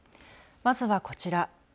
まずはこちら。